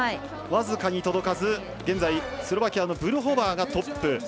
僅かに届かず現在、スロバキアのブルホバーがトップ。